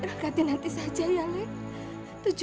berangkatin nanti saja lek